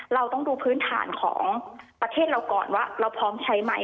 เราต้องดูพื้นฐานของประเทศเราก่อนว่าเราพร้อมใช้ไหม